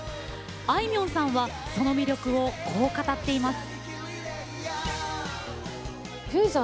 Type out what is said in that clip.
あいみょんさんはその魅力をこう語っています。